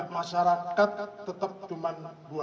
masyarakat tetap cuman dua belas